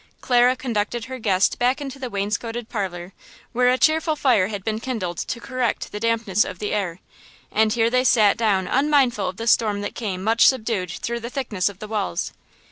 Clara conducted her guest back into the wainscoted parlor, where a cheerful fire had been kindled to correct the dampness of the air. And here they sat down unmindful of the storm that came much subdued through the thickness of the walls.